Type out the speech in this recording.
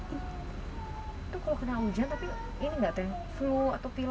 itu kalau kena hujan tapi ini nggak teh flu atau pilot